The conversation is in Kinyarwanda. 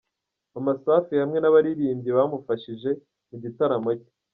Maman Safi hamwe n'abaririmbyi bamufashije mu gitaramo cye.